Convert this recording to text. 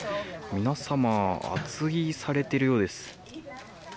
皆様、厚着されているようです。